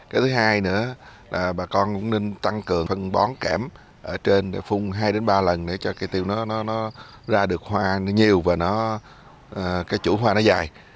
cái thứ hai nữa là bà con cũng nên tăng cường phân bón kẻm ở trên để phun hai ba lần để cho cây tiêu nó ra được hoa nhiều và cái chủ hoa nó dài